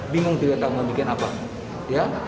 bingung tidak tahu membuat apa